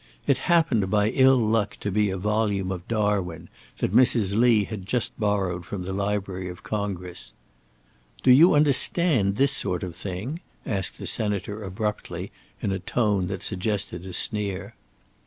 It happened by ill luck to be a volume of Darwin that Mrs. Lee had just borrowed from the library of Congress. "Do you understand this sort of thing?" asked the Senator abruptly, in a tone that suggested a sneer.